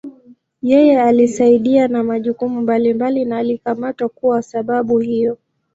Yeye alisaidia na majukumu mbalimbali na alikamatwa kuwa sababu hiyo.